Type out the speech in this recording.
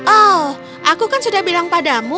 oh aku kan sudah bilang padamu